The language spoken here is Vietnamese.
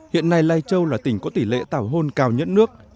hiện nay lai châu là tỉnh có tỷ lệ tảo hôn cao nhất nước